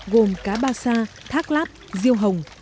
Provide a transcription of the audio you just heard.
gồm cá ba sa thác lát riêu hồng